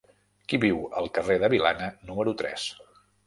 Qui viu al carrer de Vilana número tres?